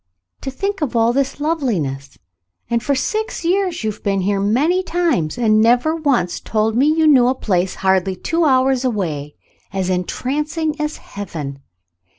To think of all this loveliness, and for six years you have been here many times, and never once told me you knew a place hardly two hours away as en trancing as heaven.